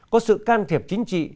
có sự can thiệp chính trị